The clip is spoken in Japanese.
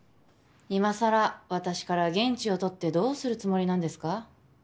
今さら私から言質を取ってどうするつもりなんですか？